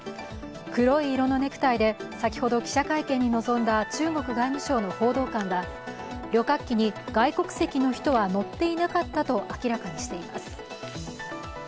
黒い色のネクタイで先ほど記者会見に臨んだ中国外務省の報道官は旅客機に外国籍の人は乗っていなかったと明らかにしています。